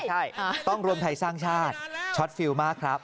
ใช่ต้องรวมไทยสร้างชาติช็อตฟิลมากครับ